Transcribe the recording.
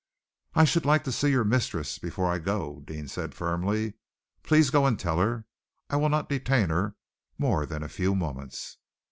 "I should like to see your mistress before I go," Deane said firmly. "Please go and tell her. I will not detain her more than a few moments."